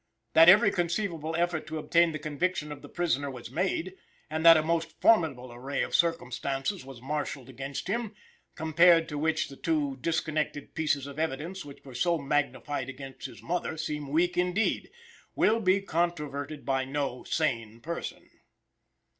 That every conceivable effort to obtain the conviction of the prisoner was made, and that a most formidable array of circumstances was marshalled against him, compared to which the two disconnected pieces of evidence which were so magnified against his mother seem weak indeed, will be controverted by no sane person.